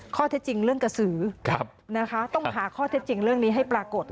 ข้อเท็จจริงเรื่องกระสือต้องหาข้อเท็จจริงเรื่องนี้ให้ปรากฏ